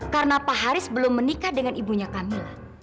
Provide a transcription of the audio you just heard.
karena pak haris belum menikah dengan ibunya kamila